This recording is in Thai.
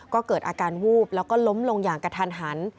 ก็เกิดอาการวูบแล้วก็ล้มลงอย่างกระทันหัน